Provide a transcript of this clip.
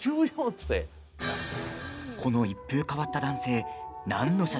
この一風変わった男性。